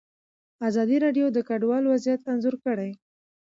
ازادي راډیو د کډوال وضعیت انځور کړی.